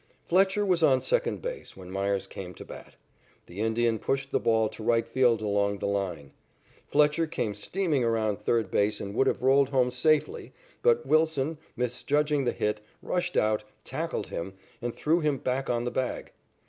Fletcher was on second base when Meyers came to bat. The Indian pushed the ball to right field along the line. Fletcher came steaming around third base and could have rolled home safely, but Wilson, misjudging the hit, rushed out, tackled him, and threw him back on the bag.